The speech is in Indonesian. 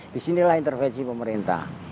disinilah intervensi pemerintah